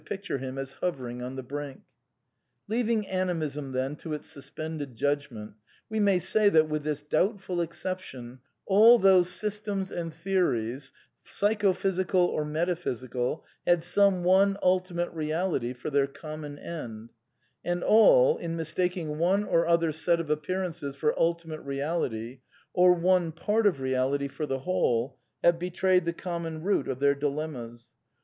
picture him as hovering on the brink. Leaving Animism, then, to its suspended judgment, we may say that, with this doubtful exception, all those sys tems and theories, psychophysical or metaphysical, had some one ultimate reality for their common end: And all, in mistaking jgte twr ^th gr set of am innynnrn for ultimate reality, or one part of reality for the Whole, have betrayed the common root of their dilemmas.